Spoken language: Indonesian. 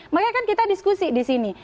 makanya kan kita diskusi di sini